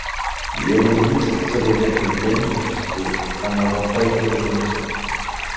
Hieronymus est le seul évêque de Vienne jusqu'au à n'avoir pas été reconnu saint.